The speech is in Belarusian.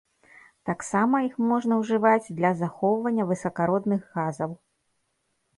Таксама іх можна ўжываць для захоўвання высакародных газаў.